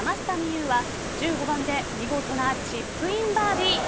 有は１５番で見事なチップインバーディー。